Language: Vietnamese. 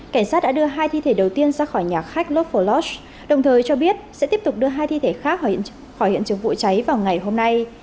cảnh sát đã đưa hai thi thể đầu tiên ra khỏi nhà khách loghlos đồng thời cho biết sẽ tiếp tục đưa hai thi thể khác khỏi hiện trường vụ cháy vào ngày hôm nay